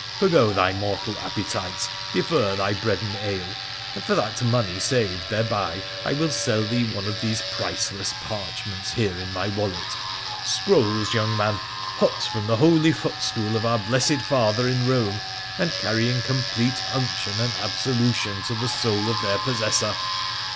Forego thy mortal appetites, defer thy bread and ale, and for that money saved thereby I will sell thee one of these priceless parchments here in my wallet— scrolls, young man, hot from the holy footstool of our blessed father in Eome, and carrying complete unction and absolution to the soul of their possessor